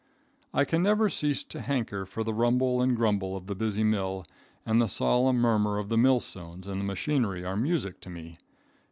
I can never cease to hanker for the rumble and grumble of the busy mill, and the solemn murmur of the millstones and the machinery are music to me.